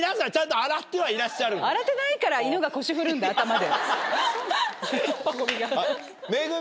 洗ってないから犬が腰振るんだ頭で。